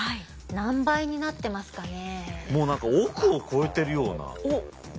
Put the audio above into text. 何倍になってますかね。